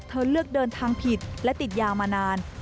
เธอเลือกเดินทางผิดและติดยามานาน